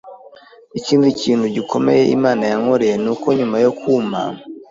Ikindi kintu gikomeye Imana yankoreye nuko nyuma yo kumpa